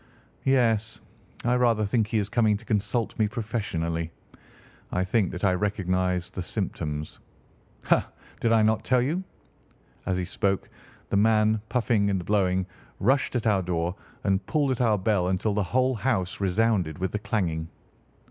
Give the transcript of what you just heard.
"Yes; I rather think he is coming to consult me professionally. I think that I recognise the symptoms. Ha! did I not tell you?" As he spoke, the man, puffing and blowing, rushed at our door and pulled at our bell until the whole house resounded with the clanging.